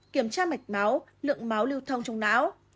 kiểm tra mạch máu lượng máu lưu thông trong não